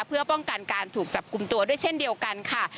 เพื่อป้องกันการถูกจับกลุ่มตัวด้วยเช่นเดียวกันค่ะ